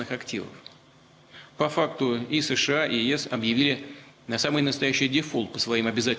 yang meliputi senapan mesin maupun peluncur granat